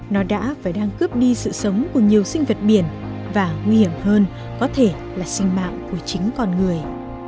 nó đã phải đang cướp đi sự sống của nhiều sinh vật biển và nguy hiểm hơn có thể là sinh mạng của chính con người